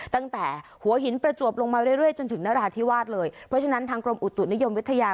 ตั้งแต่หัวหินประจวบลงมาเรื่อยจนถึงนราธิวาสเลยเพราะฉะนั้นทางกรมอุตุนิยมวิทยา